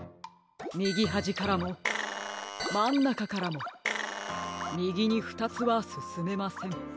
みぎはじからもまんなかからもみぎにふたつはすすめません。